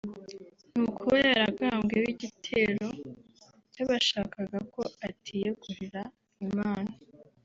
ni ukuba yaragabweho igitero cy’ abashakaga ko atiyegurira Imana